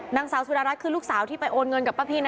นางสาวสุดารัฐคือลูกสาวที่ไปโอนเงินกับป้าพี่นะ